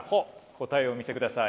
答えをお見せください。